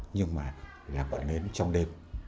nhưng mà là ngọn nến trong đêm